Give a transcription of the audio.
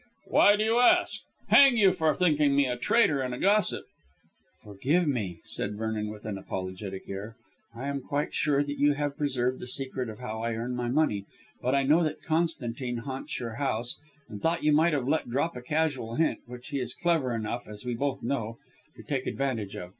Why do you ask? Hang you, for thinking me a traitor and a gossip." "Forgive me," said Vernon with an apologetic air. "I am quite sure that you have preserved the secret of how I earn my money. But I know that Constantine haunts your house, and thought you might have let drop a casual hint, which he is clever enough, as we both know, to take advantage of.